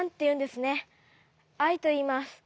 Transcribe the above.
アイといいます。